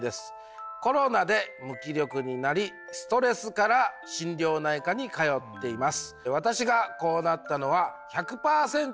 「コロナで無気力になりストレスから心療内科に通っています」。